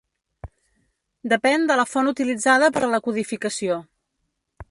Depèn de la font utilitzada per a la codificació.